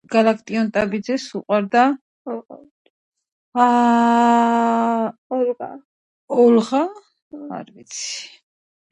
ქალაქის საბჭოს შენობას გააჩნია რუსეთის ფედერაციის ფედერალური მნიშვნელობის არქიტექტურული ძეგლის სტატუსი.